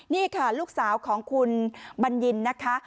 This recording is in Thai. นี่ค่ะลูกสาวของคุณบัญญินนะคะ